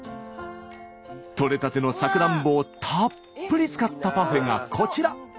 取れたてのさくらんぼをたっぷり使ったパフェがこちら。